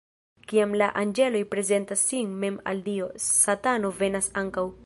Kiam la anĝeloj prezentas sin mem al Dio, Satano venas ankaŭ.